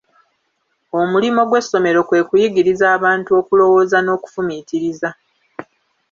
Omulimo gw'essomero kwe kuyigiriza abantu okulowooza n'okufumiitiriza.